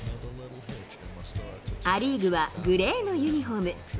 ア・リーグはグレーのユニホーム。